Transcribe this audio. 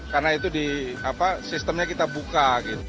karena itu sistemnya kita buka